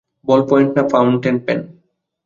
বল point না, fountain pen.